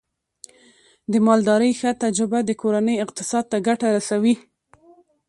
د مالدارۍ ښه تجربه د کورنۍ اقتصاد ته ګټه رسوي.